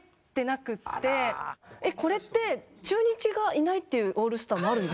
これって中日がいないっていうオールスターもあるんですか？